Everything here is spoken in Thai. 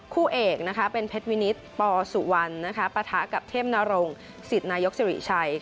คู่เอกเป็นเพชรวินิตปสุวรรณปฐะกับเทพนรงศ์ศิษย์นายกษริชัย